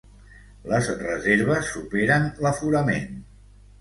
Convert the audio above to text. Les reserves superen l’aforament.